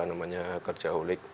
namanya kerja olik